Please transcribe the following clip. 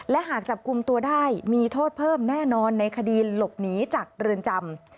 และหากจับกลุ่มตัวได้มีโทษเพิ่มแน่นอนในคดีหลบหนีจากเรือนจำ